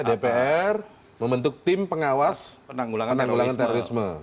dpr membentuk tim pengawas penanggulangan terorisme